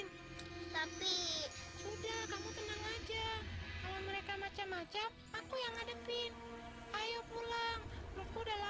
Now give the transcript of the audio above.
nanti kesini lagi ya laras kita main lagi